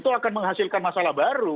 itu akan menghasilkan masalah baru